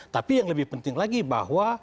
tapi yang lebih penting lagi bahwa